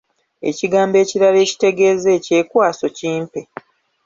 Ekigambo ekirala ekitegeeza ekyekwaso, kimpe?